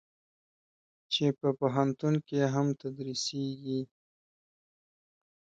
چې په پوهنتون کې هم تدریسېږي.